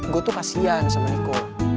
gue tuh kasian sama niko